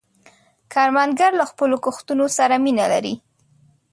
کروندګر له خپلو کښتونو سره مینه لري